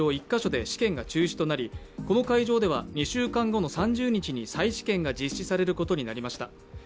１カ所で試験が中止となり、この会場では２週間後の３０日に再試験が実施されることになりました。